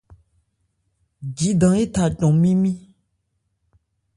Jidan étha ńcɔn mímí.